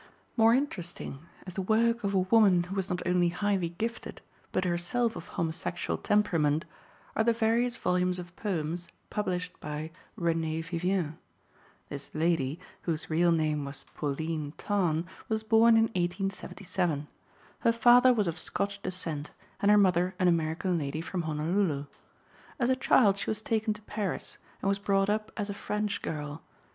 More interesting, as the work of a woman who was not only highly gifted, but herself of homosexual temperament, are the various volumes of poems published by "Renée Vivien." This lady, whose real name was Pauline Tarn, was born in 1877; her father was of Scotch descent, and her mother an American lady from Honolulu. As a child she was taken to Paris, and was brought up as a French girl.